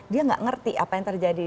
dia nggak ngerti apa yang terjadi